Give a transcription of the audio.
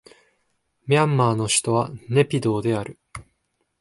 ミャンマーの首都はネピドーである